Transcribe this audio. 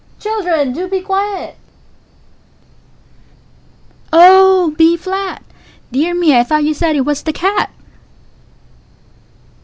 (Aside.) Children, do be quiet! Pause Oh! B flat! Dear me, I thought you said it was the cat!